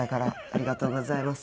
ありがとうございます。